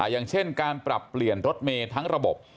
อย่างเช่นการปรับเปลี่ยนรถเมย์ทั้งระบบ